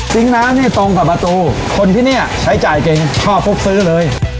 น้ำนี่ตรงกับประตูคนที่เนี่ยใช้จ่ายเก่งชอบปุ๊บซื้อเลย